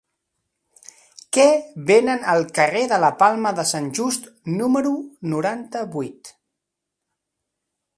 Què venen al carrer de la Palma de Sant Just número noranta-vuit?